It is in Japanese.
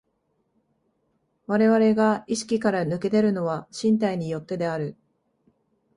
我々が意識から脱け出るのは身体に依ってである。